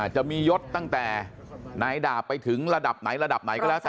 จะมียศตั้งแต่นายดาบไปถึงระดับไหนระดับไหนก็แล้วแต่